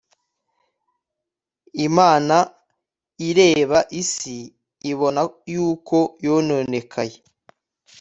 Imana ireba isi ibona yuko yononekaye